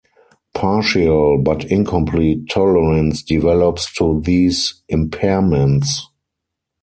Partial, but incomplete tolerance develops to these impairments.